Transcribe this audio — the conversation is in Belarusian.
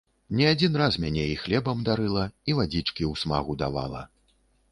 Не адзін раз мяне і хлебам дарыла, і вадзічкі ў смагу давала.